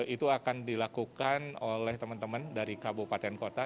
itu akan dilakukan oleh teman teman dari kabupaten kota